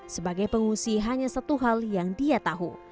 sebagai pengungsi hanya satu hal yang dia tahu